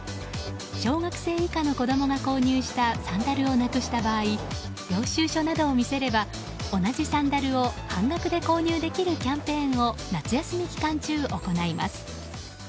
小学生以下の子供が購入したサンダルをなくした場合領収書などを見せれば同じサンダルを半額で購入できるキャンペーンを夏休み期間中行います。